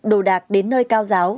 đồ đạc đến nơi cao giáo